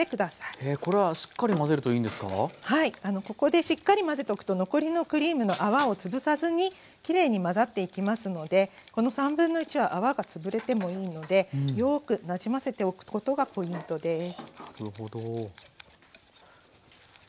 ここでしっかり混ぜておくと残りのクリームの泡をつぶさずにきれいに混ざっていきますのでこの1/3は泡がつぶれてもいいのでよくなじませておくことがポイントです。